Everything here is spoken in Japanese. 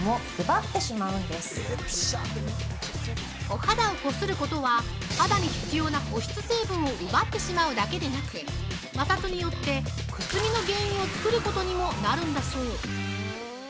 ◆お肌をこすることは、肌に必要な保湿成分を奪ってしまうだけでなく、摩擦によって、くすみの原因を作ることにもなるんだそう。